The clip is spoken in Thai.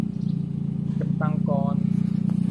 เก็บตังค์ก่อน